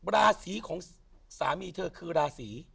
ราศีของสามีเธอคือราศี